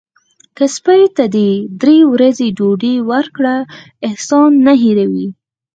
که سپي ته درې ورځې ډوډۍ ورکړه احسان نه هیروي.